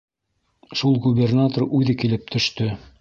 Шул губернатор үҙе килеп төштө.